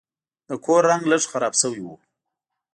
د کور رنګ لږ خراب شوی و.